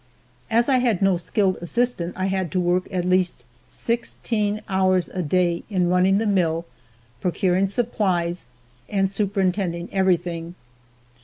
As I had no skilled assistant I had to work at least sixteen hours a day in running the mill, procurring supplies and superintending everything.